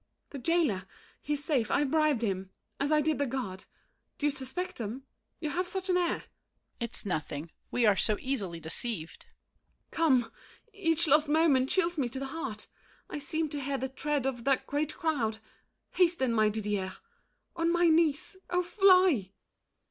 MARION. The jailer. He's safe; I bribed him, as I did the guard. Do you suspect them? You have such an air. DIDIER. It's nothing. We're so easily deceived. MARION. Come! Each lost moment chills me to the heart. I seem to hear the tread of that great crowd. Hasten, my Didier—on my knees—oh, fly!